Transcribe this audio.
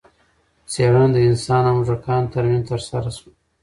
څېړنه د انسانانو او موږکانو ترمنځ ترسره شوه.